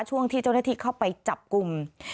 ช่วงที่เจ้าหน้าที่เข้าไปจับกลุ่ม